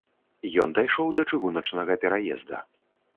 Ён дайшоў да чыгуначнага пераезда.